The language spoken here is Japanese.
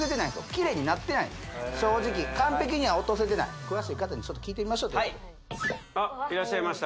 キレイになってない正直完璧には落とせてない詳しい方にちょっと聞いてみましょうということであっいらっしゃいました